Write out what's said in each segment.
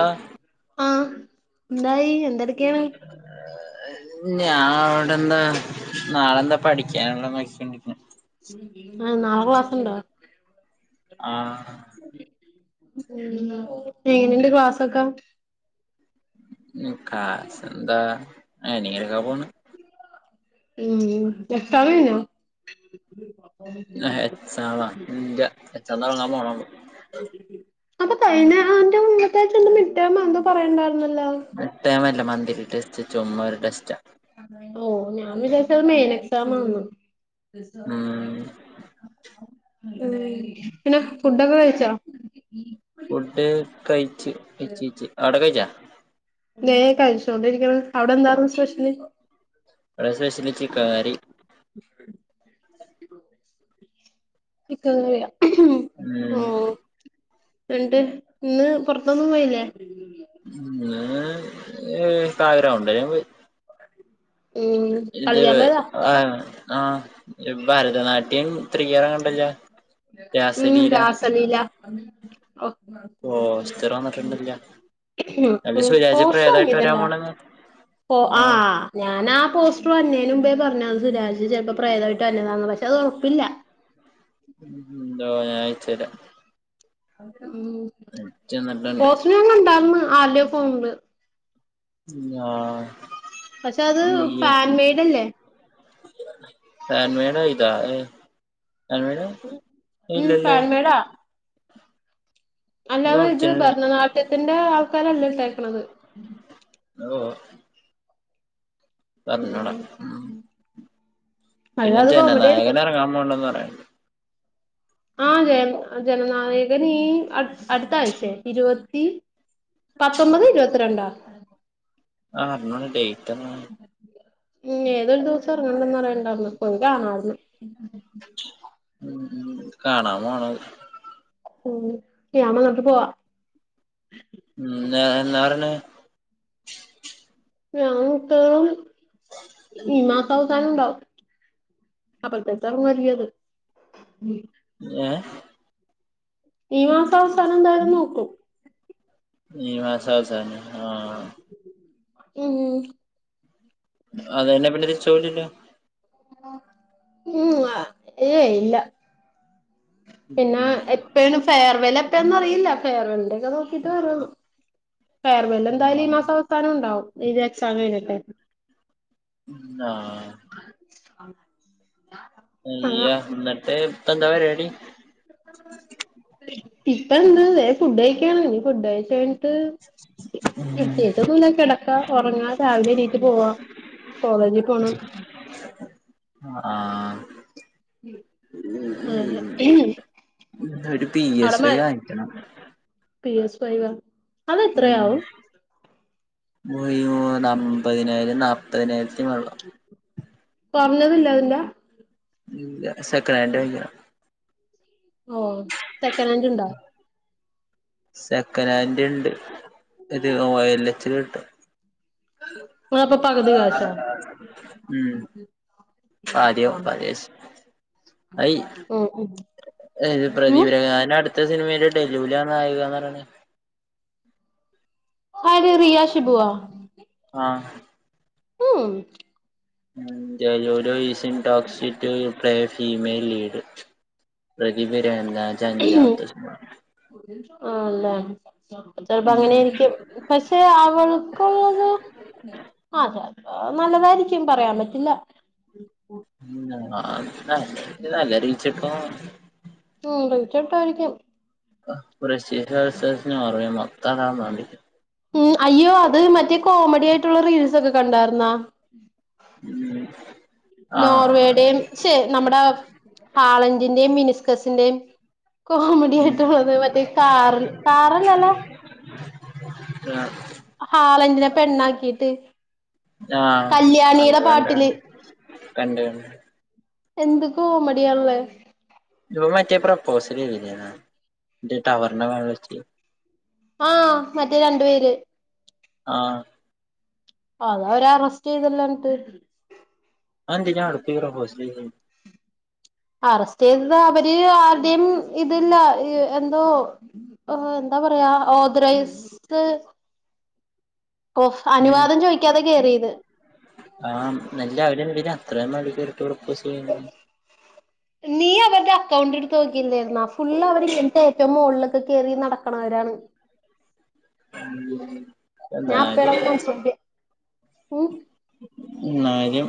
ആഹ് ആഹ് എന്തായി എന്തെട്ക്കെയാണ്? ഞാൻ അവിടെന്ന് നാളെന്താ പഠിക്കാനുള്ള നോക്ക്യോണ്ടി ആഹ് നാളെ ക്ലാസ്സ്‌ണ്ടാ? ആഹ് എങ്ങനെണ്ട് ക്ലാസൊക്ക? മ് ക്ലാസ്സെന്താ അങ്ങനെ ഇങ്ങനെക്കെ പോണ്. ഉം എക്സാം കഴിഞ്ഞോ? ഏഹ് എക്സാമാ ഇല്ല എക്സാം തോടങ്ങാൻ പോണുള്ളൂ. അപ്പൊ കയ്ഞ ആയിന്റെ മുന്നത്തെ ആയിച്ചേ മിഡ്‌ടെർമാ എന്തോ പറയണ്ടായിരുന്നല്ലോ? മിഡ്‌ടെർമല്ല മന്ത്‌ലി ടെസ്റ്റ് ചുമ്മ ഒരു ടെസ്റ്റ. ഓഹ് ഞാൻ വിചാരിച്ചത് മെയിൻ എക്സാം ആന്ന. ഉം ഉം പിന്നെ ഫുഡൊക്കെ കഴിച്ചോ? ഫുഡ് കഴിച്ച് കയ്ച്ച് കയ്ച്ച് ആടെ കഴിച്ചാ? ഏഹ് കഴിച്ചോണ്ടിരിക്ക അവിടെ എന്താർന്നു സ്പെഷ്യല്? ഈടെ സ്പെഷ്യല് ചിക്കൻ കറി. [unintelligible] ചിക്കൻ കറിയ ഉം ഉം. രണ്ട് ഇന്ന് പുൊറത്തൊന്നും പോയില്ലേ. ഇന്ന് [unintelligible] പോയി. ഉം. ഇത് കളിക്കാൻ പോയതാ ആഹ് ആഹ് ഭരതനാട്യം ത്രിയാറവിണില്യ. ഉം രാസലീല ഒഹ്. ഓസ്റ്റർന്നിട്ടുണ്ടില്ല. ഉം [unintelligible] വരാൻ പോണെന്ന് പോ ആഹ്. ഞാനാ പോസ്റ്ററും അന്നേനുമ്പേ പറഞ്ഞത് സുരാാജിച്ച് ചെലപ്പോ പ്രേതായിട്ട് അന്നേ താന്നു പശേ അതറപ്പില്ല. ഉം ഇടാവു ഞായച്ചരാ. ഉം അയച്ച് തന്നിട്ടുണ്ട് പോസ്റ്റർ ഞാൻ കണ്ടാർന്ന് ആലവേ പോമ്പ ആഹ്. പശേ അത് ഇയ്യ് പാൻ മെയഡ് അല്ലേ? ഹാൻഡ് മാട് ഇതാ ആൻഡ്മലെ ഉം ഇല്ലല്ലോ. ഫാൻ മെയ്ഡാ അല്ലാതെ ഇത് ഭരതനാട്യത്തിന്റെ ആൾക്കാരല്ലേ ഇട്ടേക്കണത്. ഓഹ്. തന്നട ഉം. പിന്നെ അല്ലാതെ കോമഡി ആയിരിക്കും ജനനായകനറങ്ങാന് ൻേണ്ടന്ന് പറയണ്ട്. ആഹ് ജയ ജനനായകനീ ഈ അട് അടുത്താഴ്ചെ ഇരുപത്തി. പത്തൊമ്പത്, ഇരുപത്തിരണ്ടാ? ആഹ് അന്നാണ് ഡേറ്റ് ന്നാണ്. ഉം ഏതൊരു ദിവസം റങ്ങണന്ന റിണ്ടവിട്ന്ന് കൊന്റാണങ്കി. ഉം കാണാപോണം. ഉം ഞാൻവന്നിട്ട് പോവാ. ഉം ന്താ പറണ്. ഞാം മിക്കവാറും ഈ മാസം അവസാണ്ടാവും അപ്പത്തെ [unintelligible] അത് ഏഹ്. ഈ മാസവസാനന്തായാലും നോക്കും. ഈ മാസവസാനം ആഹ്. ഉം. അതന്നെ പിന്നെരിചോലില്ല. ഉം അഹ് ഏഹ് ഇല്ല. പിന്നെ ഉം എപ്പാണ് ഫെയർവെൽ എപ്പഴന്നറിയില്ല ഫെയർവെലിന്റെക്കെ നോക്കിട്ട്വുള്ളു. ഫർവെൽ എന്തായാലും ഈ ആഹ് മാസ അവസാനം ഇണ്ടാവും ഇത് എക്സാമ ഴിഞ്ഞിട്ടെ. ഉം ആഹ്. [inaudible] അയ്യ ഇന്നിട്ടേ ഇപ്പന്താ പരിപാടി. ഇപ്പന്താല്ലേ ഫുഡഴിക്കണീ ഫുഡ് കഴിച്ചഴിഞ് [unintelligible] പ്രത്യേട്ടൊന്നുല്യാ കെടക്കാ ഒറങ്ങ രാവിലെണീറ്റ് പോവാ. കോളേജ് പോണം. ആഹ്. ഉം ഇന്നൊരു. അട മേ പി എസ് ഫൈവ അതെത്രയാവും? യ്യൂ അമ്പതിനായിരം നാപതിനായിരത്തി വള്ളം. കുറഞതില്ലാവില്ല. ല്യ സെക്കനാണ്ടോള്ളൂ. ഓഹ് സെക്കാനെന്റ് ൺ സെക്കനാൻഡണ്ട് ഇത് ഓ യൽച് ട്ടും. അതപ്പൊ പകുതി കാശാ ഉം. പാതിയോ ആ പദേസ് അയ് ഉം ഉം പ്രദീപ ഉം രംഗാൻ്റെ അടു ത്തെ സിനിമയില് ഡെലുലാ നായി കറന്ന് ആര് റിയഷിബുവാ? ആഹ് ഉം ഡെലുലു ഈസിം ടോക്സിറ്റു ഫീമെയിൽ ലീഡ് പ്രതിഭ രാഗച്ചെഞ്ചാമത്തെ സിനിമ അതാണ് ചെൽപ്പോ അങ്ങനായ്രിക്കും പക്ഷേ അവൾകുള്ളത് ആഹ് ചെയപോ നല്ലതാർക്കും പറയാൻ പറ്റില്ല ഉം [unintelligible] നല്ല റീച്ചട്ടും [unintelligible] ട്ടായിരിക്കും ബ്രസീൽ വേസസ് നോർവേ മൊത്തംതാന്ന് ഉം അയ്യോ അത് മറ്റേ കോമഡി ആയിട്ടുള്ള റീൽസൊക്കെ കണ്ടാർന്ന ഉം നോർവേടെം ശേ നമ്മുടെ ഹാളന്റിന്റെയും മിനിസ്കസിന്റെയും കോമഡി ആയിട്ടുള്ളത് മറ്റേ കാറിൽ [unintelligible] കാറല്ലല്ല [inaudible] ഹാളന്റിനെ പെണ്ണാക്കിട്ട് ആഹ് കല്യാണിടെ കണ്ട് കണ്ട് പാട്ടില് കണ്ട് കണ്ട് കണ്ട് [inaudible] എന്ത് കോമഡിയ ഉള്ളേ ഇപ്പ മറ്റേ പ്രപ്പോസലെയ്തിനാ മറ്റെ ടവറിൻ്റെ മേള് വെച്ച് ആഹ് മറ്റേ രണ്ടു പേര് ആഹ് അത അവരെറസ്റ്റ് ചെയ്തല്ലന്നട്ട് അതെന്തിന അട്ക്കേറി പ്രോസൽ ചെയ്യ്ണ്? അറസ്റ്റ് ചെയ്തത് അവര് ആരുടെയും ഇതില്ല എ എന്തോ ഏഹ് എന്താ പറയാ ഓദറൈസ് ഓഹ് ഉം അനുവാദം ചോയ്ക്കാതെ കേറിത് ആഹ് എന്നാലും അവരെന്തിനാ അത്രേം മേളി കേറീട്ട് പ്രപോസെയ്യണത് നീ അവരുടെ അക്കൗണ്ടെടുത്ത് നോക്കില്ലേർന്ന? ഫുള്ള് അവർ ഇങ്ങനത്തെ ഏറ്റവും മോണിലൊക്കെ കേറി നട [unintelligible] ഞാപ്പെടെ എന്നാലും [unintelligible] ഉം ന്നാലും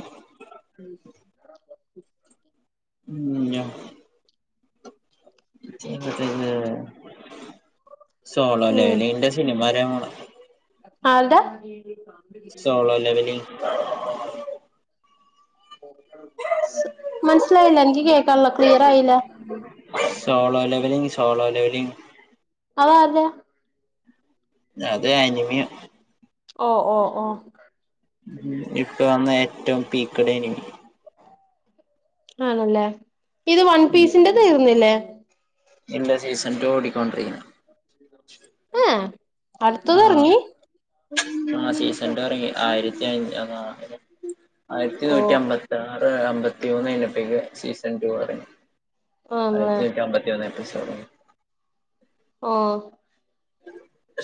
ഉം ഉം [unintelligible] ജ്ജ് എവിടെത് സോളോ ലേളീന്റെ സിനിമാ വരാൻ പോണ് ആര്ടാ സോളോ ലെവല് [unintelligible] സ മനസ്സിലായില്ല എനിക്ക് കേക്കണില്ല ക്ലിയറായില്ല സോളോ ലെവലിംഗ് സോളോ ലെവലിംഗ് അത് ആരുടെയാ ല്ല അത് അനിമിയോ ഓഹ് ഓഹ് ഓഹ് മ്ഹ് ഇപ്പ അന്ന് ഏറ്റവും പീക്ക് [unintelligible] ആണല്ലേ ഇത് വൺ പീസിന്റെ തീർന്നില്ലേ എന്റെ സീസൺ ടു ഓടി ക്കൊണ്ടിരിക്ക്ണ് ഏഹ് അടുത്തത് ആഹ് ഇറങ്ങി ആഹ് സീസൺ ടു എറങ്ങി ആയിരത്തി [unintelligible] ഓ ആയിരത്തിനൂറ്റി അമ്പത്തി ആറ് അമ്പത്തി മൂന്ന് കഴിഞ്ഞപ്പഴേക്കും സീസൺ ടു എറങ്ങി ആണല്ലേ അയിന്റെയൊക്കെ അമ്പത്തി മൂന്ന് എപ്പിസോഡോ? ഓഹ്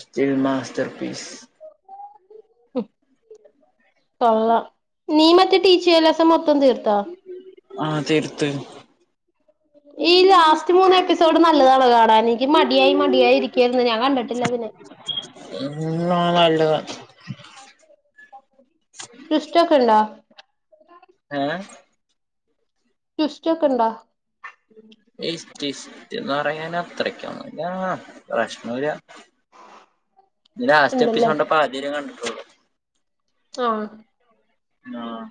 സ്റ്റിൽ മാസ്റ്റർ പീസ് ഉം കൊള്ളാം നീ മറ്റേ [unintelligible] മൊത്തൊം തീർത്ത ആഹ് തീർത്ത് ഈ ലാസ്റ്റ് മൂന്ന് എപ്പിസോഡ് നല്ലതാണ് കാണാൻ എനിക്ക് മടിയായി മടിയായി ഇരിക്കായിരുന്നു ഞാൻ കണ്ടിട്ടില്ല അതിനെ [unintelligible] നല്ലതാ ട്വിസ്റ്റൊക്കെ ഇണ്ടോ? ഏഹ് ട്വിസ്റ്റ് ഒക്കെ ഇണ്ടാ എയ്ശ് ട്വിസ്റ്റ്ന്ന് പറയാൻ അത്രക്കൊന്നൂല്ല പ്രശ്നൊല്ല ലാസ്റ്റ് ഉണ്ടല്ലേ എപ്പിസോഡ്ന്റെ പാതിവരെ കണ്ടിട്ടുള്ളൂ ആഹ് ആഹ്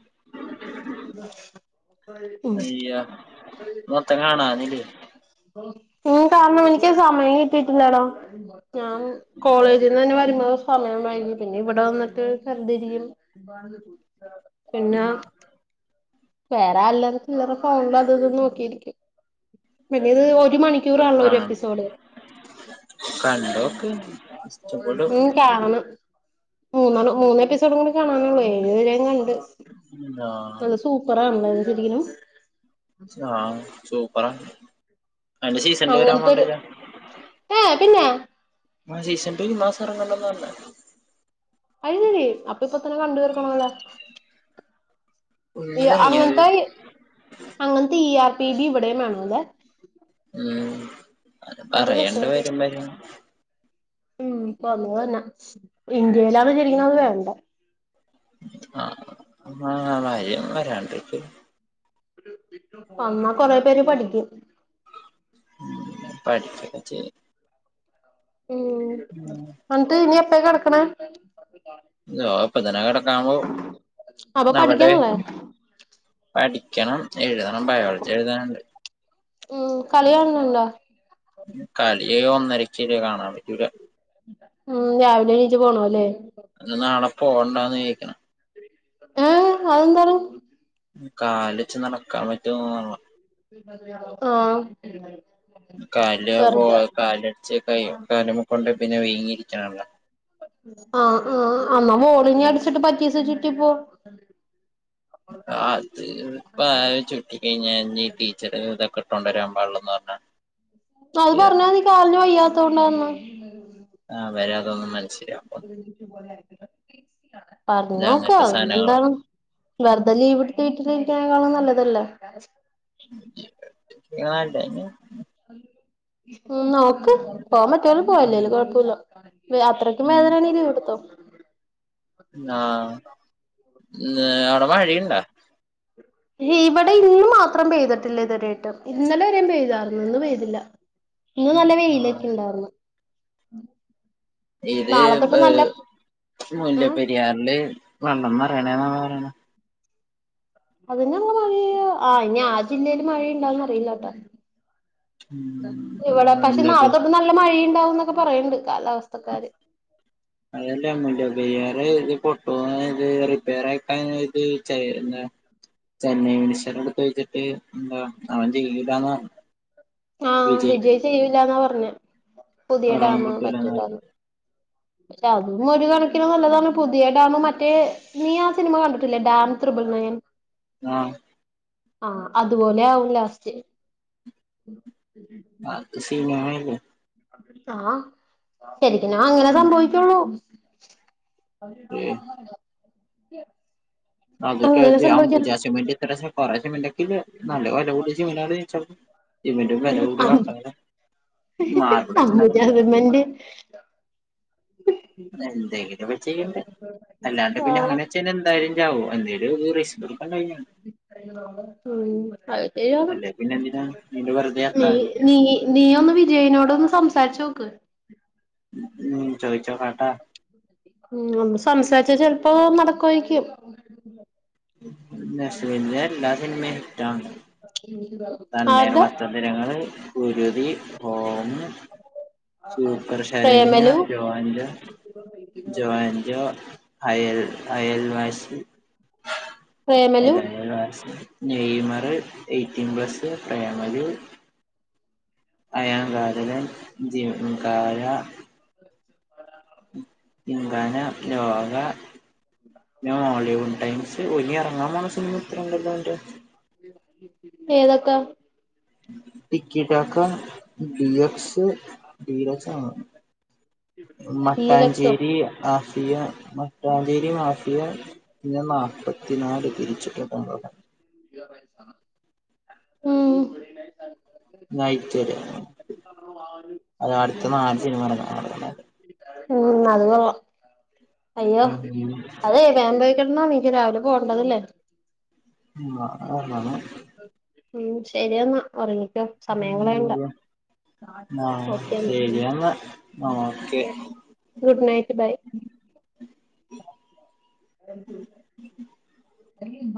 ഉം അയ്യ മൊത്തം കാണാനില്ലേ പിന്നേം കാരണം എനിക്ക് സമയം കിട്ടിട്ടില്ലടോ ഞാൻ കോളേജിന്നന്നെ വരുമ്പോ സമയം വൈകും പിന്നെ ഇവിടെ വന്നിട്ട് വെറുതെ ഇരിക്കും പിന്നാ വേറെ അല്ലറ ചില്ലറ ഫോണില് അതും ഇതും നോക്കിയിരിക്കും ഇവന്റെത് ഒരു മണിക്കൂറാണല്ലേ ഒരു ആഹ് എപ്പിസോഡ് കണ്ടോക്ക് ഇഷ്ടപ്പെടും ഉം കാണണം ഉം മൂന്നൊണ്ണു മൂന്നെപ്പിസോഡും കൂടി കാണാനുള്ളൂനി. ഏഴു വരെ കണ്ട് ഉത [unintelligible] നല്ല സൂപ്പറാണല്ലേ ത് ശരിക്കിനും ആഹ് സൂപ്പറാണ് അങ്ങൻത്തൊരു ഏ പിന്നെ മൻ സീസൻ ടു ഈ മാസം ഇറങ്ങണ്ടന്ന പർഞ്ഞെ കഴിഞ്ഞില്ലേ. അപ്പൊ ഇപ്പൊത്തന്നെ കണ്ടു തിർക്കണവല്ലോ ഇ ഇന്നലെ ഇറങ്ങിയോ അത് അങ്ങൻത്തെ അങ്ങൻത്തെ ഇ ആർ പി ബി ഇവിടെയും വേണ അല്ലെ ഉം അത് പറയണ്ട വരും വരും [unintelligible] ഉം ഇപ്പ വന്നത് തന്ന ഇന്ത്യയിലാണ് ശരിക്കിനത് വേണ്ടേ ആ ആ ഭാര്യം വരാണ്ടരിക്ക [unintelligible] വന്നാ കൊറെ പേര് പഠിക്കും പഠിക്കന്നെ ചെയ്യും ഉം അന്നിട്ട് ഇനി എപ്പയ കടക്ക്ണ ദോ പ്പത്തന്നെ കിടക്കാം പോവും. അപ്പൊ അവടെ പഠിക്കണല്ലേ പഠിക്കണം, എഴുതണം, ബയോളജി എഴുതാന്ണ്ട് ഉം കളികാണുന്ന്ണ്ടോ കളി ഒന്നരക്കെ കാണാൻ പറ്റൂല ഉം രാവിലെണീച്ച് പോണവല്ലെ അത് നാളെ പോവണ്ടാന്ന് വിചാരിക്കണെ ഏ അതെന്താണ് കാലച്ച് നടക്കാൻ പറ്റും തോന്ന്ണില്ല ആ കാല് പോ വെറുതെ കാലട കാല [unintelligible] കൊണ്ട് പിന്നെ വീങ്ങിയിരിക്കാണല്ലോ ആ ആ അന്നാ മോളിഞ്യാ അടിച്ചിട്ട് പറ്റീസ ചിറ്റിപ്പോ അ ആത് ഇപ്പ ചുട്ടിക്കഴിഞ്ഞീ ടീച്ചർ ഇട്ടോണ്ട് വരാൻ പാടില്ലെന്ന് പറഞ്ഞാണ് അത് പറഞ്ഞ നീ കാലിന് വയ്യാത്തോണ്ടാന്ന് അവരതൊന്നും മനസ്സിലാക്കും [unintelligible] അത് പർഞ്ഞോക്കാ അങ്ങനത്തെ സാധനങ്ങളാ പിന്നെന്താണ്. വെർതെ ലീവ് ഇടുത്ത് വീട്ടില് ഇരിക്കനേക്കാളും നല്ലതല്ലേ [unintelligible] ഉം നോ ക്ക് പോൻ പറ്റല പോവല്ലേല്ല കൊഴപ്പമില്ല അത്രക്കും വേദനയാണെ ലീവ് എടുത്തോ ആഹ് ന്നേ അവിട മഴയിണ്ടാ? പിന്നെ ഇവടെ ഇന്ന് മാത്രം പെയ്തിട്ടില്ല ഇതുവരെയിട്ടും, ഇന്നലെ വരെയും പെയ്താർന്നു, ഇന്ന് പെയ്തില്ല ഇന്ന് നല്ല വെയിലൊക്കെ ഇണ്ടായിർന്ന് ഇത് ഏഹ് മുല്ലപ്പെരിയാറില് വെള്ളം നെറയണേന്നാണല്ലോ പറയണ അതന്നെ മഴ്യ ആ ഇനി ആ ജില്ലയിൽ മഴയുണ്ടാവന്ന് അറിയില്ലട്ടോ ഇവടെ പക്ഷെ മുല്ലപ്പെ നാളെത്തൊട്ട് നല്ല മഴയിണ്ടാവുംന്നൊക്കെ പറയിണ്ട് കാലാവസ്ഥക്കാര് അതല്ല അമ്മൂല്ല വറെ ഇത് പട്ടു ഇത് റിപ്പയറായി കഴിഞ്ഞ ഇത്‌ ചേ ചെന്നൈ മനുഷ്യർ അടുത്തഴച്ചിട്ട് എന്താ അവൻ ജയിലിലന്ന പറഞ്ഞു ആഹ് വിജയ് ചെയ്യൂല്ലാന്നാ പർഞ്ഞേ പുതിയ വെള്ളം ഡാമ് കിട്ടൂലാന്ന് പറ്റൂലാന്ന് അതും ഒരു കണക്കിന് നല്ലതാണ് പുതിയ ഡാമ് മറ്റേ നീയാ സിനിമ കണ്ടിട്ടില്ലേ ഡാം ത്രിബ്ൾ നയൻ ആഹ് ആഹ് അതുപോലെയാവും ലാസ്റ്റ് ആത് സിനിമയല്ലേ ആ ശരിക്കിനു അങ്ങനെ എന്നിട്ട് സംഭവിക്കൊള്ളൂ [inaudible] അത്ക്കെ ആംബുജ സിമന്റ് ഇത്രേ സെക്കുറെ സിമന്റകെ നല്ല വില കൂടിയ സിമെന്റ് ജന സിമെന്റ് വില കൂടി കാട്ട അമ്പുജാ സിമന്റ് [unintelligible] [unintelligible] ചെയ്യണ്ട. അല്ലാണ്ട് പിന്നെ ആഹ് അങ്ങനെ വെച്ചയ്ഞ്ഞ എന്തായാലും ചാവും. എന്തേലും റിസ്ക് ഇടുക്കാൻ കയ്ഞ്ഞ [unintelligible] അല്ലേ പിന്നെ എന്തിനാ ഇതിന്റെ വെറുതെ ചത്താ മതി നീയ ഒന്ന് വിജയിനോട് ഒന്ന് സംസാരിച്ചു നോക്ക് ഉം ചോതിച്ചു നോക്കട്ടോ ഉ സംസാരിച്ച ചിലപ്പോ നടക്കുവയിരിക്കും. നസലിന്റെ എല്ലാ സിനിമയും ഇഷ്‌ടാണ്. [unintelligible] ആര്ടെ തണ്ണിമത്തൻ ദിനങ്ങൾ കുരുതി സൂപ്പർ ശരണ്യ പ്രേമലു ജോൻോ ജോന്റോ Ayal Ayal Vaashi Premalu Ayal Vaashi Neymar eighteen plus Premalu [unintelligible] [unintelligible] [unintelligible] Hollywood times ഒലി ഇറങ്ങാൻ പോണ സിനിമ ഇത്രണ്ടണ്ട്. ഏതൊക്കെ? ടിക്കിജോക്കോ ഡി എക്സ് ഡി ഈ ലക്സോ മട്ടാഞ്ചേരി ആഫിയ മട്ടാഞ്ചേരി മാഫിയ. ഞാ നാല്പ്പത്തിനാല് തിരിച്ചിട്ട് തന്നതാണ്. റായിസാന [unintelligible] [unintelligible] നയിറ്റ് വര അത അടുത്ത നാല് സിനിഇറഞ്ഞ [unintelligible] ഉം അത് കൊള്ളാം! അയ്യോ അതെ വേമ്പോഴിക്കിടന്ന മീക്ക് രാവിലു പോവേണ്ടതല്ലേ? ഉം.. അതാണ്. ഉം.. ശരിയെന്നാ ഉറങ്ങിക്കോ? സമയം ഉ കളയണ്ട [unintelligible] ആഹ.. ഓക്കെ എന്നാ ശെരിയെന്നാ ആ ഓക്കെ. ഗുഡ് നൈറ്റ് ബൈ അ [unintelligible]